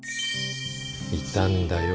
いたんだよ